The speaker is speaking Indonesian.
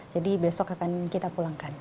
jadi besok akan kita pulangkan